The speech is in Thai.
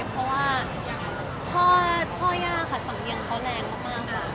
เพราะค่ะพ่อย่าค่ะสังเวียงแรงแรงมากค่ะ